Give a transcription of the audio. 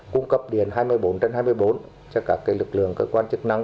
cung cấp điện hai mươi bốn trên hai mươi bốn cho các lực lượng cơ quan chức năng